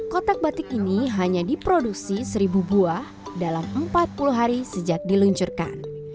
kotak batik ini hanya diproduksi seribu buah dalam empat puluh hari sejak diluncurkan